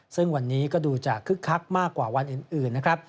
ซึ่งวันนี้ก็ดูจะคึกคักมากกว่าวันอื่นนะครับ